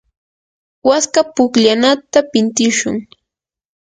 waska pukllanata pintishun.